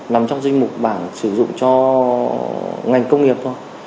nằm trong dinh mục bảng sử dụng cho ngành công nghiệp thôi